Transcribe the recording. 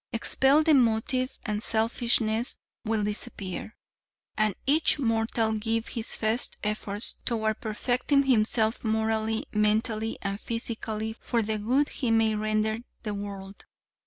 Expel the motive and selfishness will disappear, and each mortal give his best efforts toward perfecting himself morally, mentally and physically for the good he may render the world.